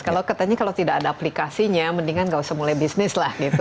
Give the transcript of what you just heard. kalau katanya kalau tidak ada aplikasinya mendingan nggak usah mulai bisnis lah gitu